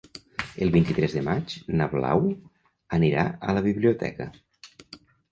El vint-i-tres de maig na Blau anirà a la biblioteca.